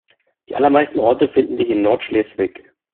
Die allermeisten Orte finden sich in Nordschleswig.